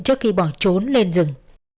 trước khi bỏ trốn lên rừng